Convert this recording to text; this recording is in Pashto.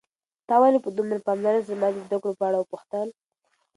تا ولې په دومره پاملرنې سره زما د زده کړو په اړه وپوښتل؟